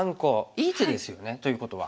いい手ですよねということは。